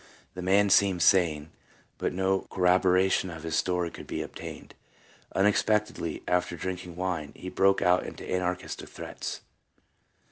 The man seemed sane, but no corrobora tion of his story could be obtained. Unexpectedly, after drinking wine, he broke out into anarchistic threats.